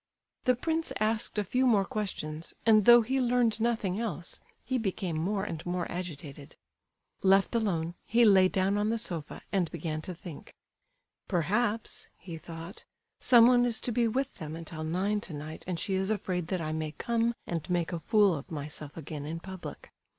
The prince asked a few more questions, and though he learned nothing else, he became more and more agitated. Left alone, he lay down on the sofa, and began to think. "Perhaps," he thought, "someone is to be with them until nine tonight and she is afraid that I may come and make a fool of myself again, in public."